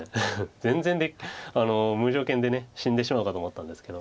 全然無条件で死んでしまうかと思ったんですけど。